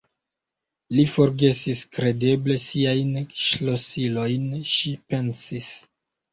Li forgesis kredeble siajn ŝlosilojn, ŝi pensis.